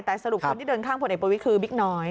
แต่สรุปคนที่เดินข้างผลเอกประวิทย์คือบิ๊กน้อย